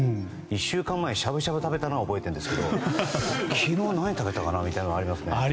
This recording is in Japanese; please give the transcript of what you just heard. １週間前しゃぶしゃぶを食べたのは覚えているんですけど昨日、何食べたかなっていうのはありますね。